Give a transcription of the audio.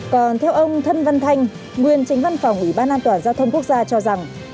còn theo ông thân văn thanh nguyên tránh văn phòng ủy ban an toàn giao thông quốc gia cho rằng